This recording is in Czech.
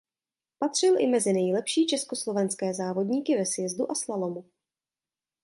Patřil i mezi nejlepší československé závodníky ve sjezdu a slalomu.